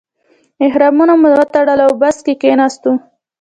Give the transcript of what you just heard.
احرامونه مو وتړل او په بس کې کیناستو.